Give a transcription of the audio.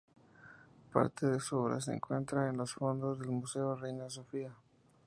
Parte de su obra se encuentra en los fondos del Museo Reina Sofía.